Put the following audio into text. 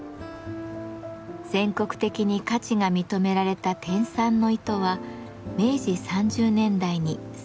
全国的に価値が認められた天蚕の糸は明治３０年代に最盛期を迎えます。